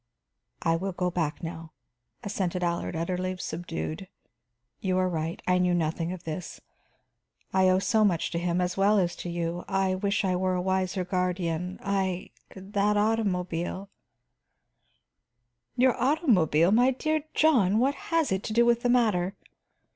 "I will go back now," assented Allard, utterly subdued. "You are right, I knew nothing of this. I owe so much to him, as well as to you. I wish I were a wiser guardian; I that automobile " "Your automobile! My dear John, what has it to do with the matter?